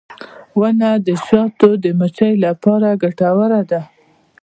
• ونه د شاتو د مچیو لپاره ګټوره ده.